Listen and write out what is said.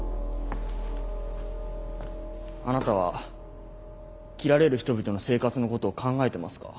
あなたは切られる人々の生活のことを考えてますか？